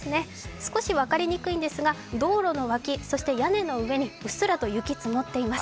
少し分かりにくいんですが道路の脇、そして屋根の上にうっすらと雪積もっています。